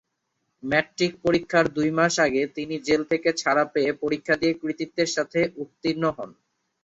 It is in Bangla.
ম্যাট্রিক পরীক্ষার দুই মাস আগে তিনি জেল থেকে ছাড়া পেয়ে পরীক্ষা দিয়ে কৃতিত্বের সাথে উত্তীর্ণ হন।